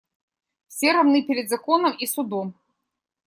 Все равны перед законом и судом.